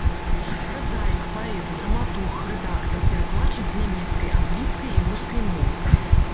Празаік, паэт, драматург, рэдактар, перакладчык з нямецкай, англійскай і рускай моў.